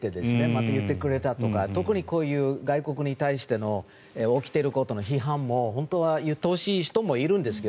また言ってくれたとか特にこういう外国に対して起きていることの批判を本当は言ってほしい人もいるんですが